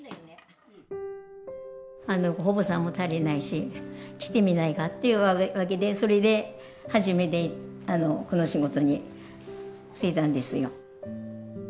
保母さんも足りないし来てみないかっていうわけでそれで初めてこの仕事に就いたんですよ。